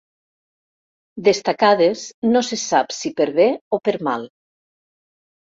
Destacades, no se sap si per bé o per mal.